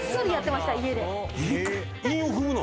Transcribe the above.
韻を踏むの？